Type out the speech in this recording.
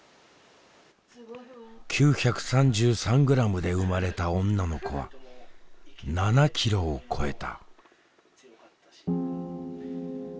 ９３３グラムで生まれた女の子は７キロを超えた。